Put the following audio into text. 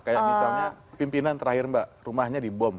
kayak misalnya pimpinan terakhir mbak rumahnya dibom